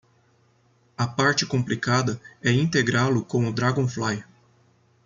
A parte complicada é integrá-lo com o Dragonfly.